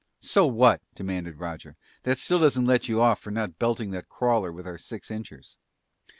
"So what?" demanded Roger. "That still doesn't let you off for not belting that crawler with our six inchers!"